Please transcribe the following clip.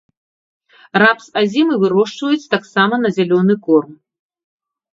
Рапс азімы вырошчваюць таксама на зялёны корм.